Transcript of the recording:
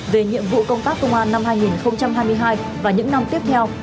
công an năm hai nghìn hai mươi hai và những năm tiếp theo